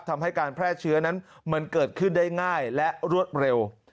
ทำให้การแพร่เชื้อนั้นมันเกิดขึ้นได้ง่ายและรวดเร็ว